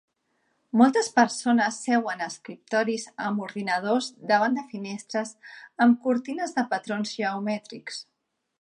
Moltes persones seuen a escriptoris amb ordinadors davant de finestres amb cortines de patrons geomètrics